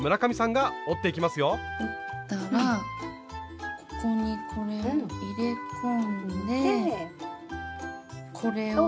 折ったらここにこれを入れ込んでこれを倒して。